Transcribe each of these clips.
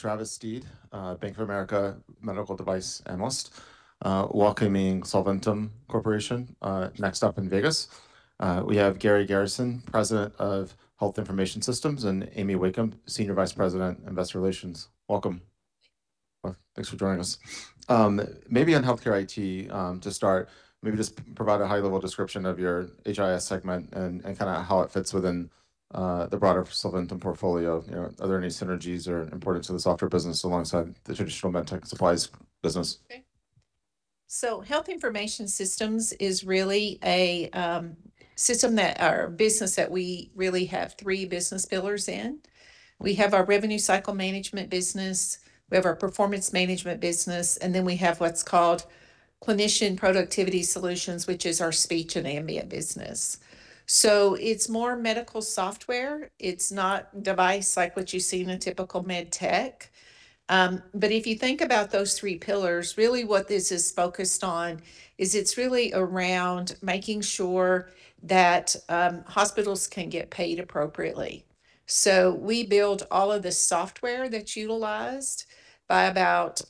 Travis Steed, Bank of America medical device analyst, welcoming Solventum Corporation, next up in Vegas. We have Garri Garrison, President of Health Information Systems, and Amy Wakeham, Senior Vice President Investor Relations. Welcome. Well, thanks for joining us. Maybe on healthcare IT, to start, maybe just provide a high level description of your HIS segment and kind of how it fits within the broader Solventum portfolio. You know, are there any synergies or importance to the software business alongside the traditional med tech supplies business? Health Information Systems is really a system that, or business that we really have three business pillars in. We have our Revenue Cycle Management business, we have our Performance Management business, and we have what's called Clinician Productivity Solutions, which is our speech and ambient business. It's more medical software. It's not device like what you see in a typical medtech. If you think about those three pillars, really what this is focused on is it's really around making sure that hospitals can get paid appropriately. We build all of the software that's utilized by about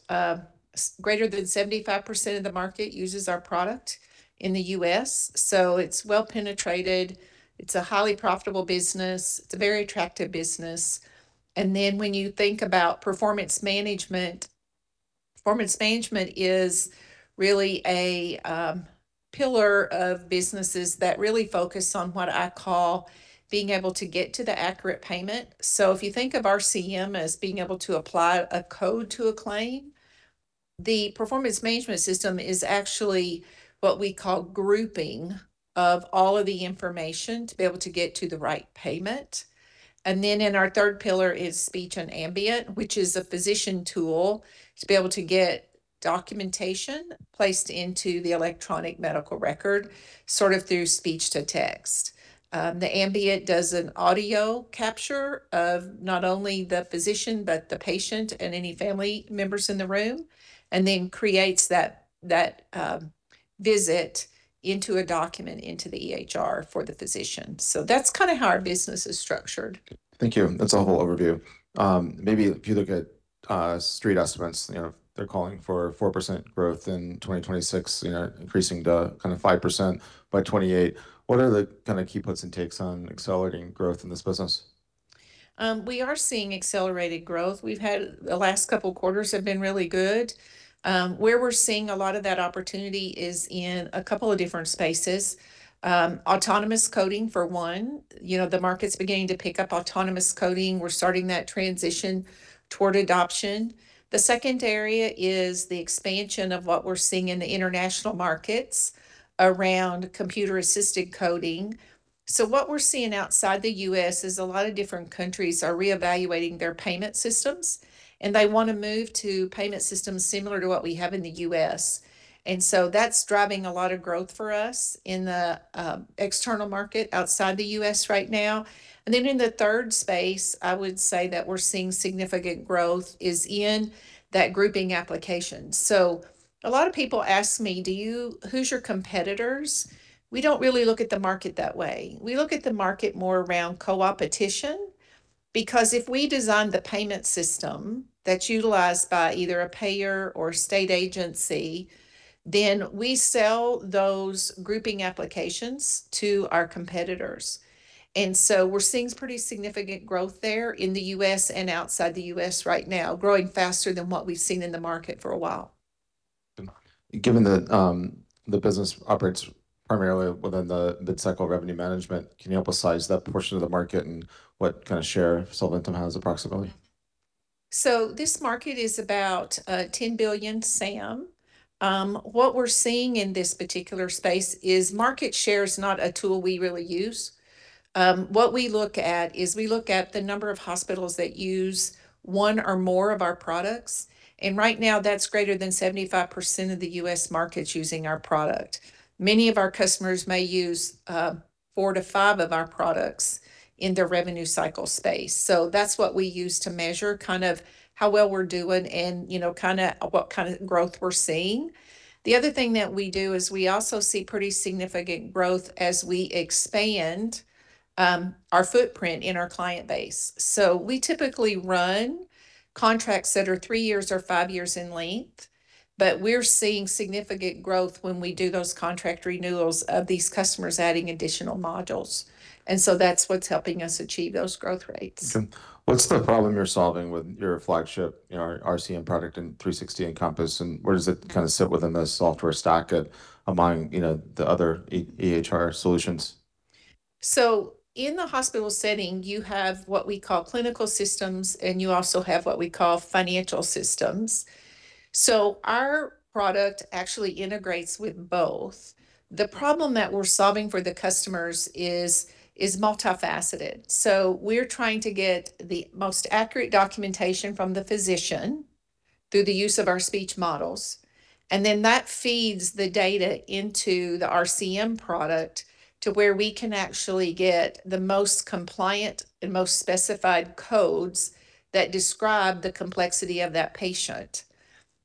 greater than 75% of the market uses our product in the U.S. It's well penetrated. It's a highly profitable business. It's a very attractive business. When you think about performance management, performance management is really a pillar of businesses that really focus on what I call being able to get to the accurate payment. If you think of RCM as being able to apply a code to a claim, the performance management system is actually what we call grouping of all of the information to be able to get to the right payment. In our third pillar is speech and ambient, which is a physician tool to be able to get documentation placed into the electronic medical record sort of through speech-to-text. The ambient does an audio capture of not only the physician, but the patient and any family members in the room, and then creates that visit into a document into the EHR for the physician. That's kinda how our business is structured. Thank you. That's a whole overview. Maybe if you look at street estimates, you know, they're calling for 4% growth in 2026, you know, increasing to kind of 5% by 2028. What are the kind of key puts and takes on accelerating growth in this business? We are seeing accelerated growth. We've had, the last couple of quarters have been really good. Where we're seeing a lot of that opportunity is in a couple of different spaces. Autonomous coding for one. You know, the market's beginning to pick up autonomous coding. We're starting that transition toward adoption. The second area is the expansion of what we're seeing in the international markets around computer-assisted coding. What we're seeing outside the U.S. is a lot of different countries are reevaluating their payment systems, and they wanna move to payment systems similar to what we have in the U.S. That's driving a lot of growth for us in the external market outside the U.S. right now. In the third space, I would say that we're seeing significant growth is in that grouping application. A lot of people ask me, "Who's your competitors?" We don't really look at the market that way. We look at the market more around co-opetition, because if we design the payment system that's utilized by either a payer or state agency, then we sell those grouping applications to our competitors. We're seeing pretty significant growth there in the U.S. and outside the U.S. right now, growing faster than what we've seen in the market for a while. Given that, the business operates primarily within the mid cycle of revenue management, can you help us size that portion of the market and what kind of share Solventum has approximately? This market is about $10 billion SAM. What we're seeing in this particular space is market share is not a tool we really use. What we look at is we look at the number of hospitals that use one or more of our products, and right now that's greater than 75% of the U.S. market using our product. Many of our customers may use four to five of our products in their revenue cycle space. That's what we use to measure kind of how well we're doing and, you know, kinda what kind of growth we're seeing. The other thing that we do is we also see pretty significant growth as we expand our footprint in our client base. We typically run contracts that are three years or five years in length, but we're seeing significant growth when we do those contract renewals of these customers adding additional modules. That's what's helping us achieve those growth rates. Okay. What's the problem you're solving with your flagship, you know, RCM product and 360 Encompass, and where does it kinda sit within the software stack among, you know, the other EHR solutions? In the hospital setting, you have what we call clinical systems, and you also have what we call financial systems. Our product actually integrates with both. The problem that we're solving for the customers is multifaceted. We're trying to get the most accurate documentation from the physician through the use of our speech models, and then that feeds the data into the RCM product to where we can actually get the most compliant and most specified codes that describe the complexity of that patient.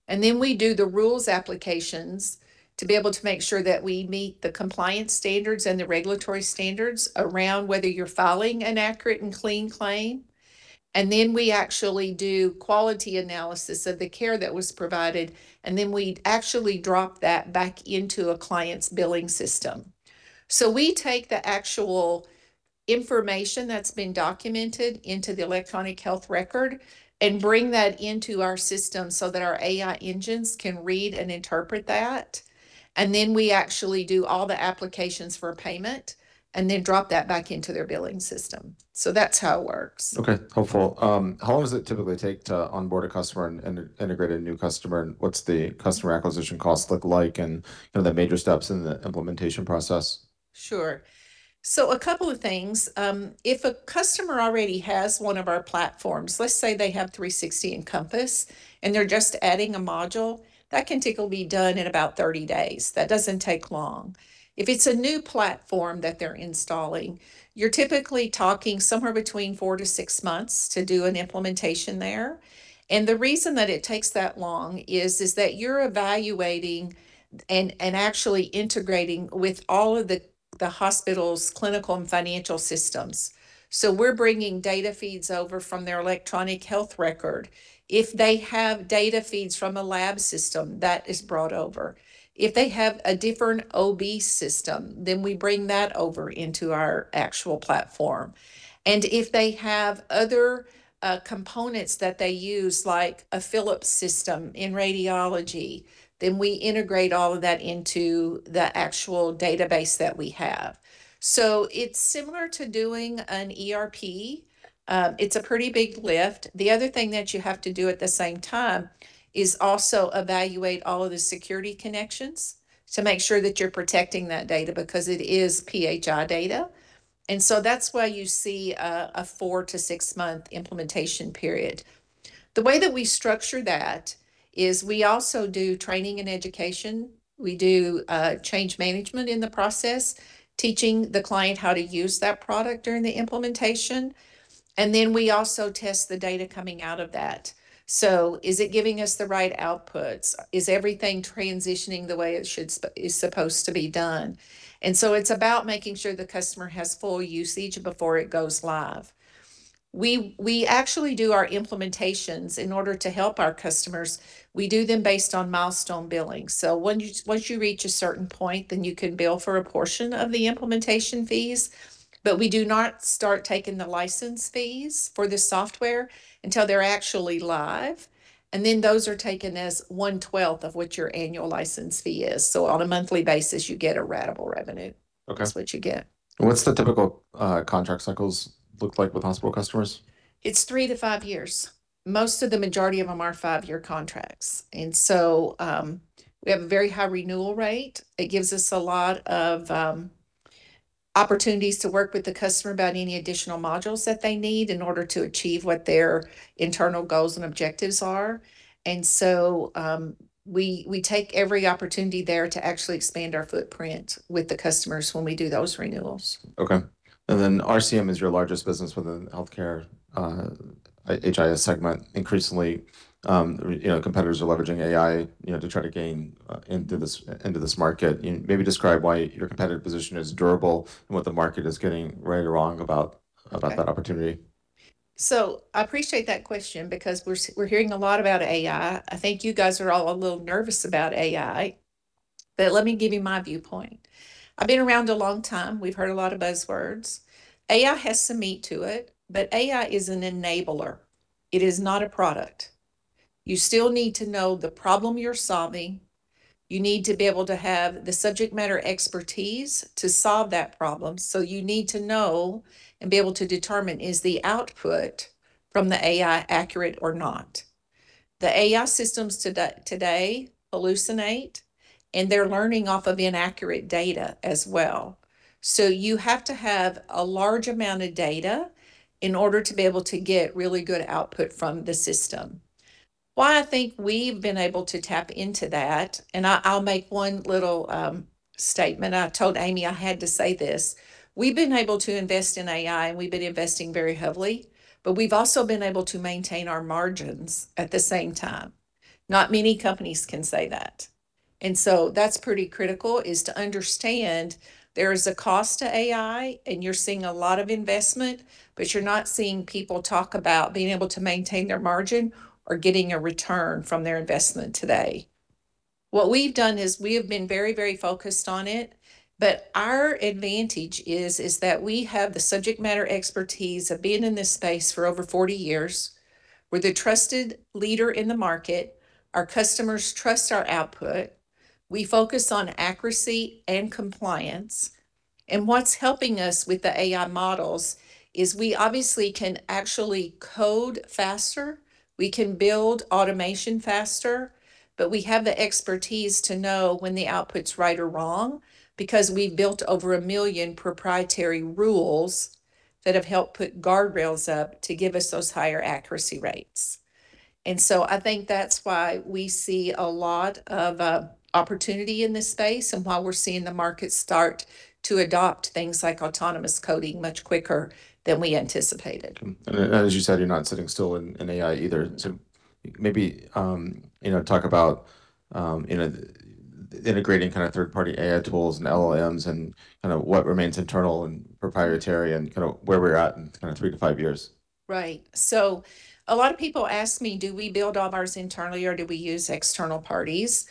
We do the rules applications to be able to make sure that we meet the compliance standards and the regulatory standards around whether you're filing an accurate and clean claim. We actually do quality analysis of the care that was provided, and then we actually drop that back into a client's billing system. We take the actual information that's been documented into the electronic health record and bring that into our system so that our AI engines can read and interpret that. We actually do all the applications for payment, and then drop that back into their billing system. That's how it works. Okay. Helpful. How long does it typically take to onboard a customer and integrate a new customer, and what's the customer acquisition costs look like, and, you know, the major steps in the implementation process? Sure. A couple of things. If a customer already has one of our platforms, let's say they have 360 Encompass and they're just adding a module, that can typically be done in about 30 days. That doesn't take long. If it's a new platform that they're installing, you're typically talking somewhere between four-six months to do an implementation there. The reason that it takes that long is that you're evaluating and actually integrating with all of the hospital's clinical and financial systems. We're bringing data feeds over from their electronic health record. If they have data feeds from a lab system, that is brought over. If they have a different OB system, then we bring that over into our actual platform. If they have other components that they use like a Philips system in radiology, then we integrate all of that into the actual database that we have. It's similar to doing an ERP. It's a pretty big lift. The other thing that you have to do at the same time is also evaluate all of the security connections to make sure that you're protecting that data, because it is PHI data. That's why you see a four-six month implementation period. The way that we structure that is we also do training and education. We do change management in the process, teaching the client how to use that product during the implementation, we also test the data coming out of that. Is it giving us the right outputs? Is everything transitioning the way it should is supposed to be done? It's about making sure the customer has full usage before it goes live. We actually do our implementations, in order to help our customers, we do them based on milestone billing. When once you reach a certain point, then you can bill for a portion of the implementation fees, but we do not start taking the license fees for the software until they're actually live. Those are taken as 1/12 of what your annual license fee is. On a monthly basis you get a ratable revenue. Okay. That's what you get. What's the typical contract cycles look like with hospital customers? It's three to five years. Most of the majority of them are five-year contracts. We have a very high renewal rate. It gives us a lot of opportunities to work with the customer about any additional modules that they need in order to achieve what their internal goals and objectives are. We take every opportunity there to actually expand our footprint with the customers when we do those renewals. Okay. RCM is your largest business within healthcare, HIS segment. Increasingly, you know, competitors are leveraging AI, you know, to try to gain into this market. You know, maybe describe why your competitive position is durable, what the market is getting right or wrong about? Okay about that opportunity. I appreciate that question because we're hearing a lot about AI. I think you guys are all a little nervous about AI, let me give you my viewpoint. I've been around a long time. We've heard a lot of buzzwords. AI has some meat to it, AI is an enabler. It is not a product. You still need to know the problem you're solving. You need to be able to have the subject matter expertise to solve that problem, you need to know and be able to determine is the output from the AI accurate or not. The AI systems today hallucinate, they're learning off of inaccurate data as well. You have to have a large amount of data in order to be able to get really good output from the system. Why I think we've been able to tap into that. I'll make one little statement, I told Amy I had to say this, we've been able to invest in AI and we've been investing very heavily, but we've also been able to maintain our margins at the same time. Not many companies can say that. That's pretty critical, is to understand there is a cost to AI and you're seeing a lot of investment, but you're not seeing people talk about being able to maintain their margin or getting a return from their investment today. What we've done is we have been very focused on it, but our advantage is that we have the subject matter expertise of being in this space for over 40 years. We're the trusted leader in the market. Our customers trust our output. We focus on accuracy and compliance. What's helping us with the AI models is we obviously can actually code faster, we can build automation faster, but we have the expertise to know when the output's right or wrong because we've built over 1 million proprietary rules that have helped put guardrails up to give us those higher accuracy rates. I think that's why we see a lot of opportunity in this space, and why we're seeing the market start to adopt things like autonomous coding much quicker than we anticipated. As you said, you're not sitting still in AI either. Maybe, you know, talk about Integrating kind of third-party AI tools and LLMs and kind of what remains internal and proprietary and kind of where we're at in kind of three to five years? Right. A lot of people ask me, do we build all of ours internally or do we use external parties?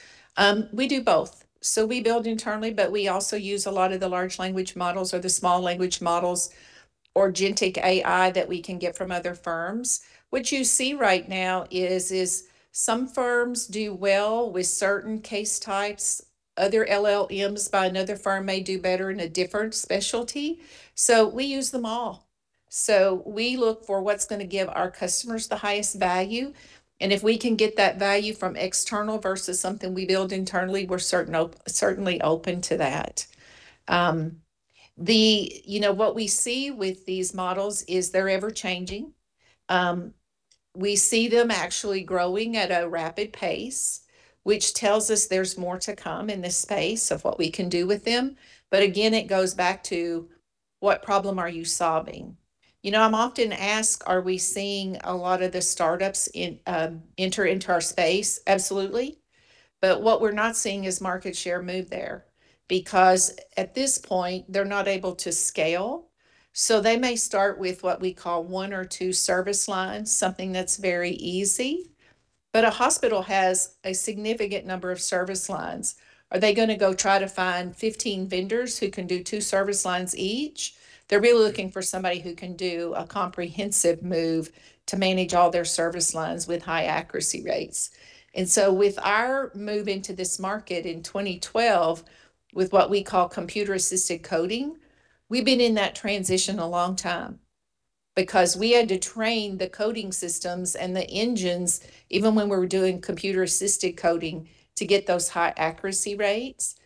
We do both. We build internally, but we also use a lot of the large language models or the small language models or Generative AI that we can get from other firms. What you see right now is some firms do well with certain case types. Other LLMs by another firm may do better in a different specialty. We use them all. We look for what's going to give our customers the highest value, and if we can get that value from external versus something we build internally, we're certainly open to that. You know, what we see with these models is they're ever-changing. We see them actually growing at a rapid pace, which tells us there's more to come in this space of what we can do with them. Again, it goes back to what problem are you solving? You know, I'm often asked, are we seeing a lot of the startups in enter into our space? Absolutely. What we're not seeing is market share move there because at this point, they're not able to scale. They may start with what we call one or two service lines, something that's very easy. A hospital has a significant number of service lines. Are they going to go try to find 15 vendors who can do two service lines each? They're really looking for somebody who can do a comprehensive move to manage all their service lines with high accuracy rates. With our move into this market in 2012 with what we call computer-assisted coding, we've been in that transition a long time because we had to train the coding systems and the engines even when we were doing computer-assisted coding to get those high accuracy rates.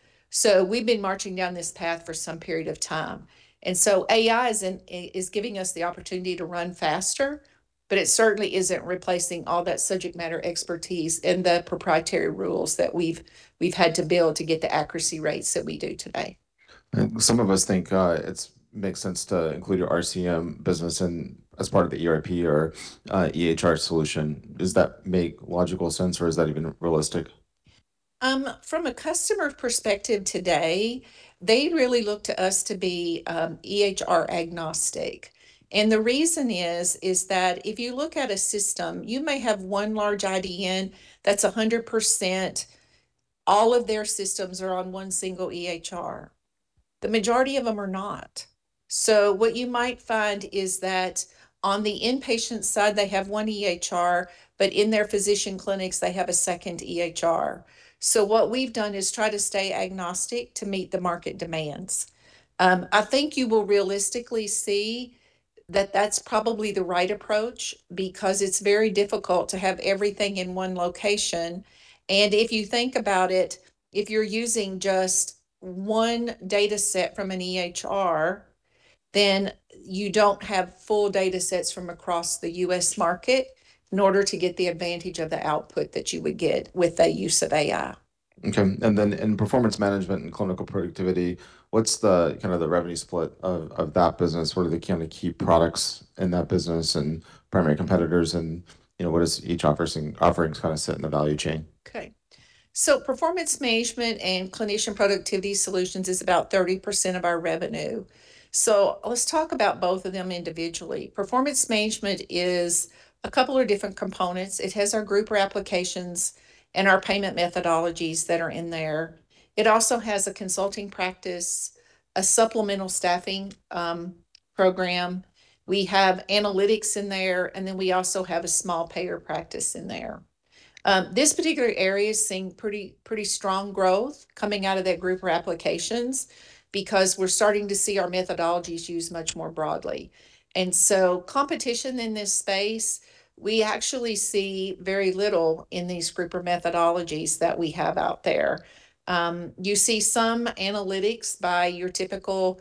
We've been marching down this path for some period of time. AI is giving us the opportunity to run faster, but it certainly isn't replacing all that subject matter expertise and the proprietary rules that we've had to build to get the accuracy rates that we do today. Some of us think it's makes sense to include your RCM business in as part of the ERP or EHR solution. Does that make logical sense or is that even realistic? From a customer perspective today, they really look to us to be EHR agnostic and the reason is that if you look at a system, you may have one large IDN that's 100% all of their systems are on one single EHR. The majority of them are not. What you might find is that on the inpatient side they have one EHR, but in their physician clinics they have a second EHR. What we've done is try to stay agnostic to meet the market demands. I think you will realistically see that that's probably the right approach because it's very difficult to have everything in one location if you think about it, if you're using just one dataset from an EHR, then you don't have full datasets from across the U.S. market in order to get the advantage of the output that you would get with a use of AI. Okay. In performance management and clinical productivity, what's the kind of the revenue split of that business? What are the kind of key products in that business and primary competitors and, you know, where does each offerings kind of sit in the value chain? Okay. Performance management and clinician productivity solutions is about 30% of our revenue. Let's talk about both of them individually. Performance management is a couple of different components. It has our grouper applications and our payment methodologies that are in there. It also has a consulting practice, a supplemental staffing program. We have analytics in there and then we also have a small payer practice in there. This particular area is seeing pretty strong growth coming out of that grouper applications because we're starting to see our methodologies used much more broadly. Competition in this space, we actually see very little in these grouper methodologies that we have out there. You see some analytics by your typical,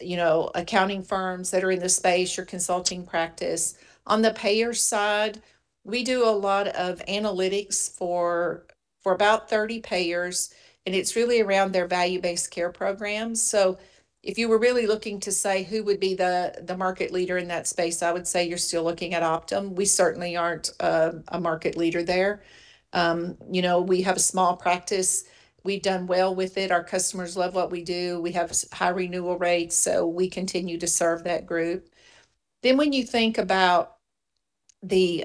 you know, accounting firms that are in the space, your consulting practice. On the payer side, we do a lot of analytics for about 30 payers and it's really around their value-based care programs. If you were really looking to say who would be the market leader in that space, I would say you're still looking at Optum. We certainly aren't a market leader there. You know, we have a small practice. We've done well with it. Our customers love what we do. We have high renewal rates, so we continue to serve that group. When you think about the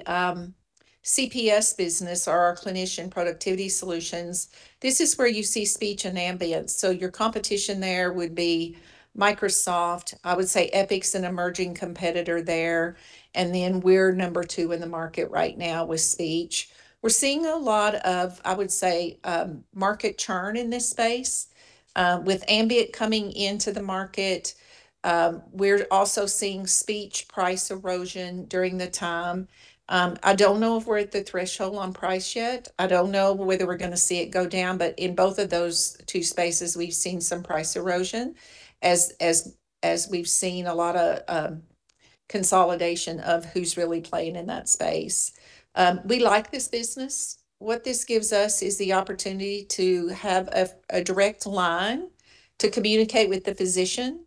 CPS business or our clinician productivity solutions, this is where you see speech and ambience. Your competition there would be Microsoft. I would say Epic's an emerging competitor there and then we're number two in the market right now with speech. We're seeing a lot of, I would say, market churn in this space. With ambient coming into the market, we're also seeing speech price erosion during the time. I don't know if we're at the threshold on price yet. I don't know whether we're gonna see it go down, but in both of those two spaces we've seen some price erosion as we've seen a lot of consolidation of who's really playing in that space. We like this business. What this gives us is the opportunity to have a direct line to communicate with the physician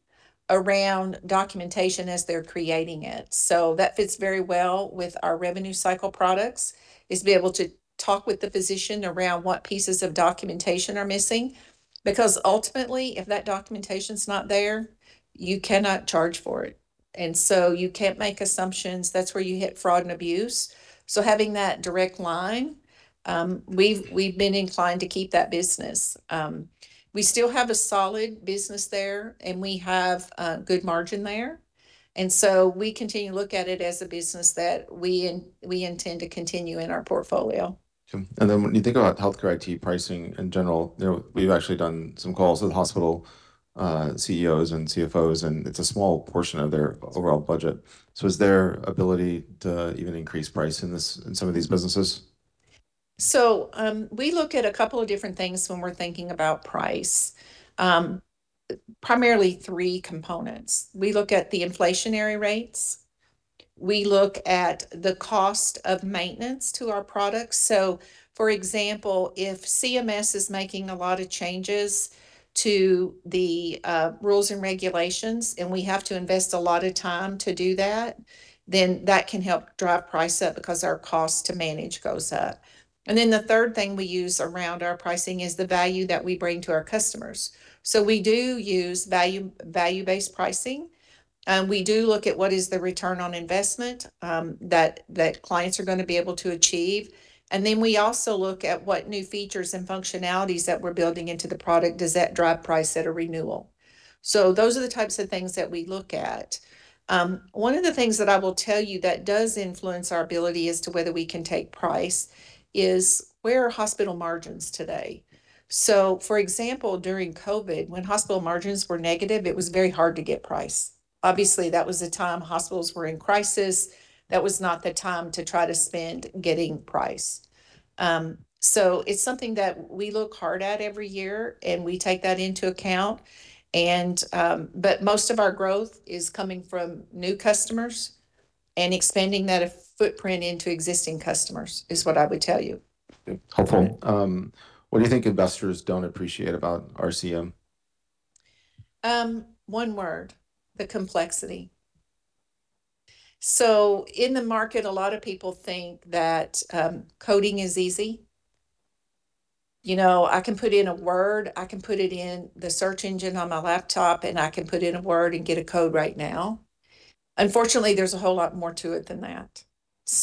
around documentation as they're creating it. That fits very well with our revenue cycle products is to be able to talk with the physician around what pieces of documentation are missing. Because ultimately, if that documentation's not there, you cannot charge for it. You can't make assumptions. That's where you hit fraud and abuse. Having that direct line, we've been inclined to keep that business. We still have a solid business there, and we have a good margin there, and so we continue look at it as a business that we intend to continue in our portfolio. When you think about healthcare IT pricing in general, you know, we've actually done some calls with hospital CEOs and CFOs, and it's a small portion of their overall budget. Is there ability to even increase price in this, in some of these businesses? We look at a couple of different things when we're thinking about price. Primarily three components. We look at the inflationary rates. We look at the cost of maintenance to our products. For example, if CMS is making a lot of changes to the rules and regulations, and we have to invest a lot of time to do that, then that can help drive price up because our cost to manage goes up. The third thing we use around our pricing is the value that we bring to our customers. We do use value-based pricing, and we do look at what is the return on investment that clients are gonna be able to achieve. We also look at what new features and functionalities that we're building into the product. Does that drive price at a renewal? Those are the types of things that we look at. One of the things that I will tell you that does influence our ability as to whether we can take price is where are hospital margins today? For example, during COVID, when hospital margins were negative, it was very hard to get price. Obviously, that was a time hospitals were in crisis. That was not the time to try to spend getting price. It's something that we look hard at every year, and we take that into account. Most of our growth is coming from new customers and expanding that footprint into existing customers is what I would tell you. Helpful. What do you think investors don't appreciate about RCM? One word, the complexity. In the market, a lot of people think that coding is easy. You know, I can put in a word, I can put it in the search engine on my laptop, I can put in a word and get a code right now. Unfortunately, there's a whole lot more to it than that.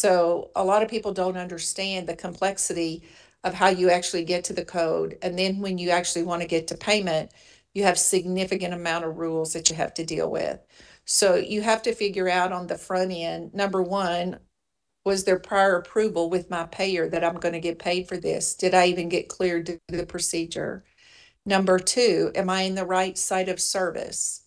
A lot of people don't understand the complexity of how you actually get to the code, then when you actually wanna get to payment, you have significant amount of rules that you have to deal with. You have to figure out on the front end, number one, was there prior approval with my payer that I'm gonna get paid for this? Did I even get cleared to do the procedure? Number two, am I in the right site of service?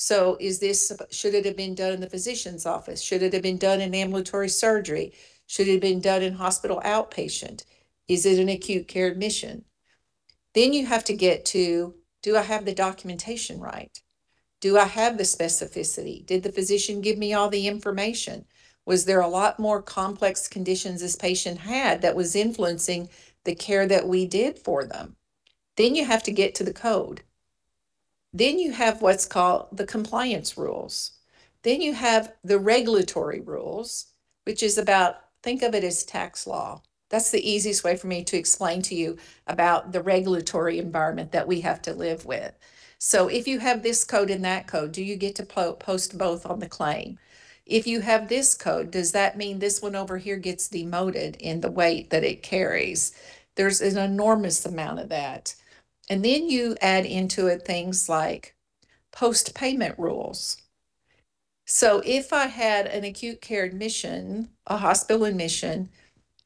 Should it have been done in the physician's office? Should it have been done in ambulatory surgery? Should it have been done in hospital outpatient? Is it an acute care admission? You have to get to, do I have the documentation right? Do I have the specificity? Did the physician give me all the information? Was there a lot more complex conditions this patient had that was influencing the care that we did for them? You have to get to the code. You have what's called the compliance rules. You have the regulatory rules, which is about, think of it as tax law. That's the easiest way for me to explain to you about the regulatory environment that we have to live with. If you have this code and that code, do you get to post both on the claim? If you have this code, does that mean this one over here gets demoted in the weight that it carries? There's an enormous amount of that. You add into it things like post-payment rules. If I had an acute care admission, a hospital admission,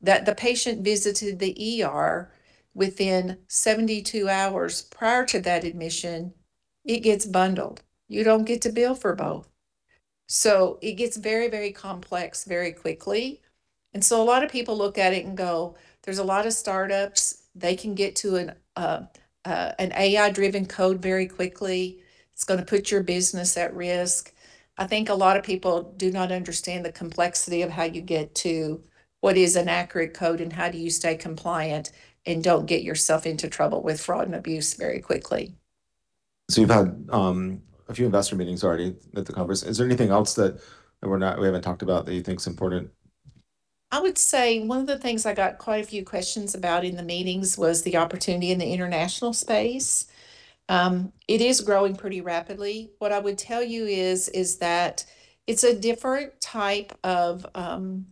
that the patient visited the ER within 72 hours prior to that admission, it gets bundled. You don't get to bill for both. It gets very, very complex very quickly. A lot of people look at it and go, there's a lot of startups. They can get to an AI-driven code very quickly. It's gonna put your business at risk. I think a lot of people do not understand the complexity of how you get to what is an accurate code, and how do you stay compliant and don't get yourself into trouble with fraud and abuse very quickly. You've had a few investor meetings already at the conference. Is there anything else that we haven't talked about that you think is important? I would say one of the things I got quite a few questions about in the meetings was the opportunity in the international space. It is growing pretty rapidly. What I would tell you is that it's a different type of kind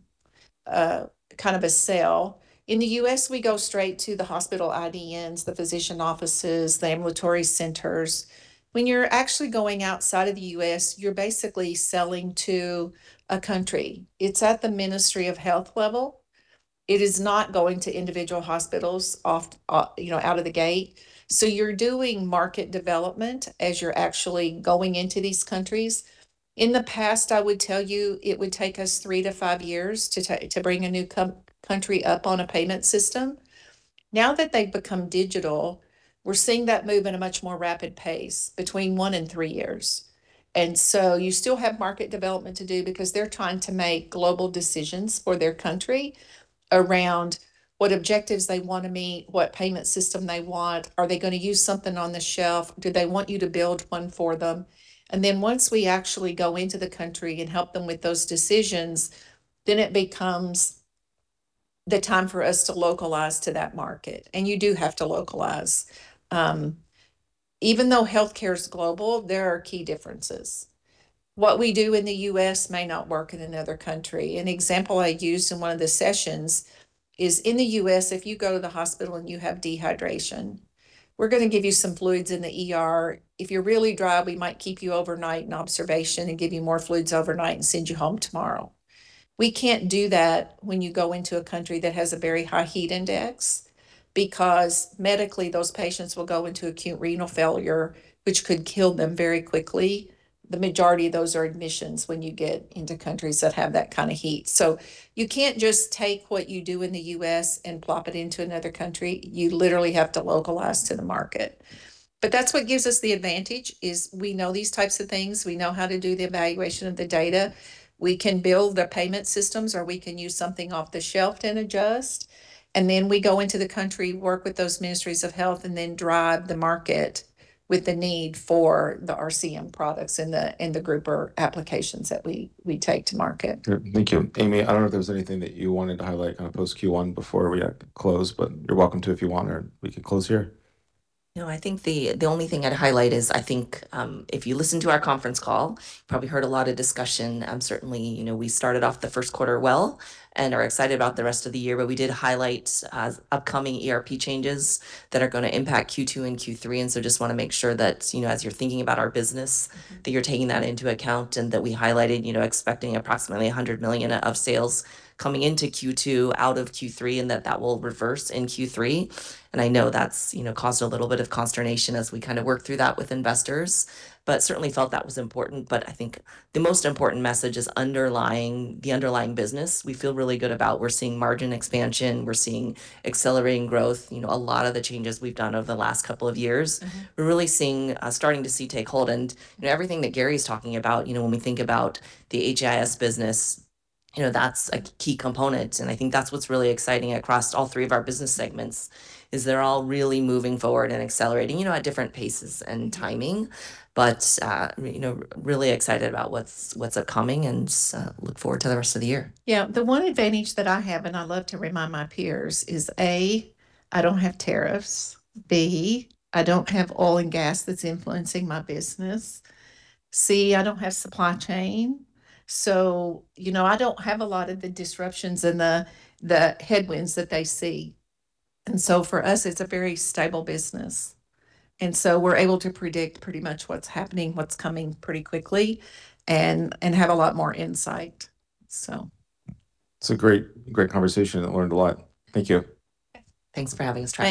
of a sale. In the U.S., we go straight to the hospital IDNs, the physician offices, the ambulatory centers. When you're actually going outside of the U.S., you're basically selling to a country. It's at the ministry of health level. It is not going to individual hospitals off, you know, out of the gate. You're doing market development as you're actually going into these countries. In the past, I would tell you it would take us three-five years to bring a new country up on a payment system. Now that they've become digital, we're seeing that move in a much more rapid pace, between one and three years. You still have market development to do because they're trying to make global decisions for their country around what objectives they wanna meet, what payment system they want. Are they gonna use something on the shelf? Do they want you to build one for them? Once we actually go into the country and help them with those decisions, then it becomes the time for us to localize to that market, and you do have to localize. Even though healthcare's global, there are key differences. What we do in the U.S. may not work in another country. An example I used in one of the sessions is in the U.S. if you go to the hospital and you have dehydration, we're gonna give you some fluids in the ER. If you're really dry, we might keep you overnight in observation and give you more fluids overnight and send you home tomorrow. We can't do that when you go into a country that has a very high heat index. Medically those patients will go into acute renal failure, which could kill them very quickly. The majority of those are admissions when you get into countries that have that kind of heat. You can't just take what you do in the U.S. and plop it into another country. You literally have to localize to the market. That's what gives us the advantage, is we know these types of things. We know how to do the evaluation of the data. We can build the payment systems, or we can use something off the shelf and adjust. Then we go into the country, work with those ministries of health, and then drive the market with the need for the RCM products and the grouper applications that we take to market. Good. Thank you. Amy, I don't know if there was anything that you wanted to highlight kind of post Q1 before we close, but you're welcome to if you want, or we can close here. No, I think the only thing I'd highlight is I think, if you listened to our conference call, probably heard a lot of discussion. Certainly, you know, we started off the first quarter well and are excited about the rest of the year. We did highlight, upcoming ERP changes that are gonna impact Q2 and Q3. Just wanna make sure that, you know, as you're thinking about our business, that you're taking that into account. We highlighted, you know, expecting approximately $100 million of sales coming into Q2 out of Q3, and that will reverse in Q3. I know that's, you know, caused a little bit of consternation as we kind of work through that with investors, but certainly felt that was important. I think the most important message is underlying, the underlying business we feel really good about. We're seeing margin expansion. We're seeing accelerating growth. We're really seeing, starting to see take hold. You know, everything that Garri's talking about, you know, when we think about the HIS business, you know, that's a key component. I think that's what's really exciting across all three of our business segments, is they're all really moving forward and accelerating. You know, at different paces and timing. You know, really excited about what's upcoming and, look forward to the rest of the year. Yeah. The one advantage that I have, and I love to remind my peers, is A, I don't have tariffs. B, I don't have oil and gas that's influencing my business. C, I don't have supply chain. You know, I don't have a lot of the disruptions and the headwinds that they see. For us it's a very stable business. We're able to predict pretty much what's happening, what's coming pretty quickly, and have a lot more insight. It's a great conversation. I learned a lot. Thank you. Thanks for having us, Travis.